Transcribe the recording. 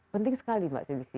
penting sekali mbak desi